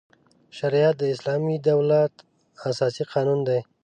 شریعت د اسلامي دولت اساسي قانون دی.